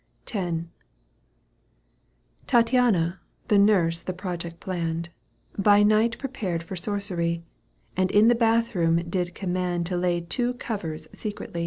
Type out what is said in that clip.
^^ X. Tattiana {nurse the project planned) By night prepared for sorcery, And in the bathroom did command To lay two covers secretly.